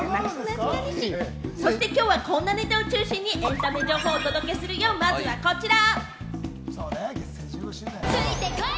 そしてきょうはこんなネタを中心にエンタメ情報をお届けするよ、まずはこちら！